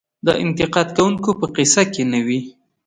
د انتقاد کوونکو په قصه کې نه وي .